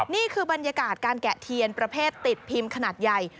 นี่คือบรรยากาศการแกะเทียนประเภทติดพิมพ์ขนาดใหญ่